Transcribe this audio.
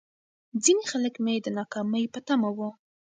ځيني خلک مې د ناکامۍ په تمه وو.